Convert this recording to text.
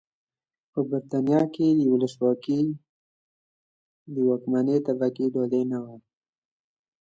په برېټانیا کې ولسواکي د واکمنې طبقې ډالۍ نه وه.